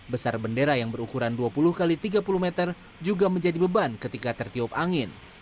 besar bendera yang berukuran dua puluh x tiga puluh meter juga menjadi beban ketika tertiup angin